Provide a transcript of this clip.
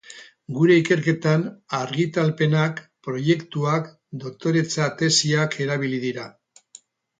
Gure ikerketan argitalpenak, proiektuak, doktoretza-tesiak erabili dira.